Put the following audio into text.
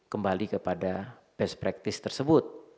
kembali kepada best practice tersebut